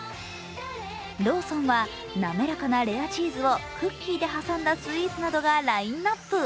ローソンはなめらかなレアチーズをクッキーで挟んだスイーツなどがラインナップ。